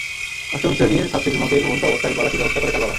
অষ্টম শ্রেণির ছাত্রী ঝুমাকে ঘুমন্ত অবস্থায় গলা টিপে হত্যা করে তার বাবা।